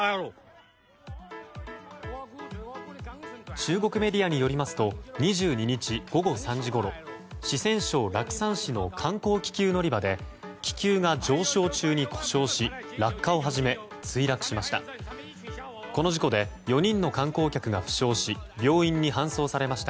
中国メディアによりますと２２日午後３時ごろ四川省楽山市の観光気球乗り場で気球が上昇中に故障し落下を始め墜落しました。